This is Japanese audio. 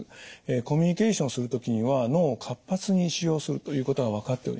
コミュニケーションする時には脳を活発に使用するということが分かっております。